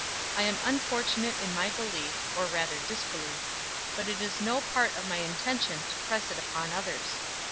I am unfortunate in my belief, or rather disbelief; but it is no part of my intention to press it upon others.